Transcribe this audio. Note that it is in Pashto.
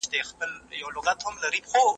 زه له سهاره کتابونه لولم!